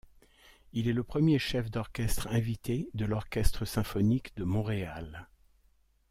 Il est le premier chef d'orchestre invité de l'Orchestre symphonique de Montréal.